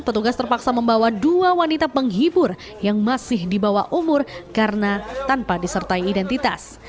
petugas terpaksa membawa dua wanita penghibur yang masih di bawah umur karena tanpa disertai identitas